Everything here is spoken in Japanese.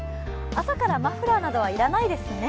朝からマフラーなどは要らないですね。